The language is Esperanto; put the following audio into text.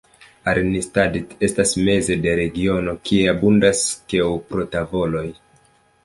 Arnstadt estas meze de regiono kie abundas keŭpro-tavoloj.